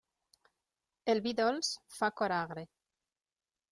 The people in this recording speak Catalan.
El vi dolç fa coragre.